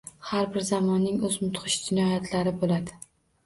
Har bir zamonning o‘z mudhish jinoyatlari bo‘ladi